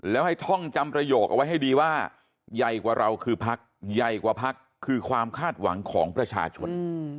แล้วให้ท่องจำประโยคเอาไว้ให้ดีว่าใหญ่กว่าเราคือพักใหญ่กว่าพักคือความคาดหวังของประชาชน